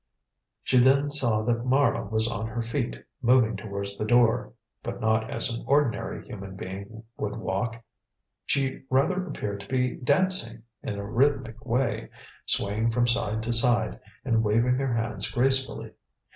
She then saw that Mara was on her feet, moving towards the door. But not as an ordinary human being would walk. She rather appeared to be dancing in a rhythmic way, swaying from side to side, and waving her arms gracefully.